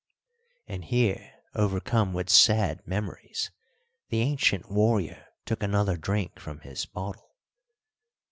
And here, overcome with sad memories, the ancient warrior took another drink from his bottle.